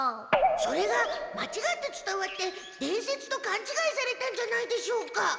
それがまちがってつたわって伝説とかんちがいされたんじゃないでしょうか。